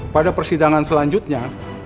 pada persidangan selanjutnya